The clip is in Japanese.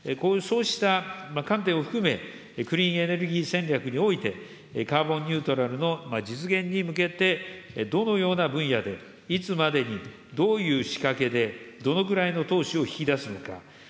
そうした観点を含め、クリーンエネルギー戦略において、カーボンニュートラルの実現に向けて、どのような分野で、いつまでに、どういう仕掛けで、どのくらいの投資を引き出すのか。